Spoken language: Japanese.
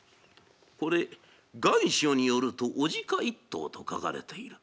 これ願書によると雄鹿一頭と書かれている。